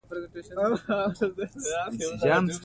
ایا مصنوعي ځیرکتیا د خلاقیت انساني سرچینه نه اغېزمنوي؟